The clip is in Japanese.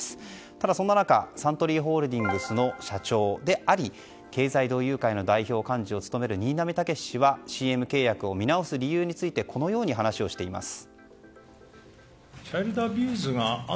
ただ、そんな中サントリーホールディングスの社長であり経済同友会の代表幹事を務める新浪剛史氏は新浪剛史氏はＣＭ契約を見直す理由についてこのように話をしています。